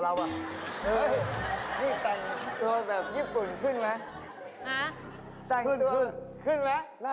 หน้าขึ้นลงพักอ่ะ